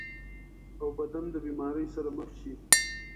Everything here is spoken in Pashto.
او بدن د بيمارۍ سره مخ شي -